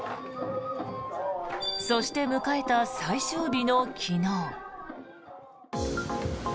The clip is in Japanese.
そして迎えた最終日の昨日。